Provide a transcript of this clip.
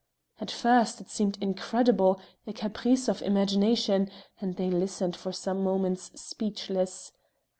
At first it seemed incredible a caprice of imagination, and they listened for some moments speechless.